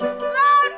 aku mau berbuncung